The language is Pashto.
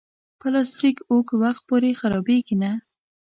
پلاستيک اوږد وخت پورې خرابېږي نه.